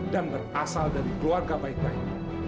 dan berasal dari keluarga baik baik